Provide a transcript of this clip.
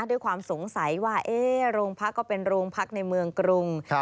ด้วยความสงสัยว่าโรงพักก็เป็นโรงพักในเมืองกรุง